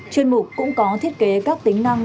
chuyên mục cũng có thiết kế các tính năng